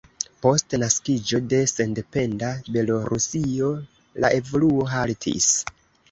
Post naskiĝo de sendependa Belorusio la evoluo haltis.